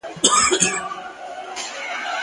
زما د سيمي د ميوند شاعري !!